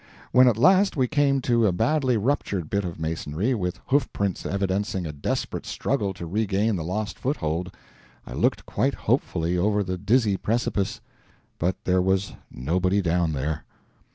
When at last we came to a badly ruptured bit of masonry, with hoof prints evidencing a desperate struggle to regain the lost foothold, I looked quite hopefully over the dizzy precipice. But there was nobody down there.